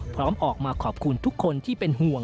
พร้อมออกมาขอบคุณทุกคนที่เป็นห่วง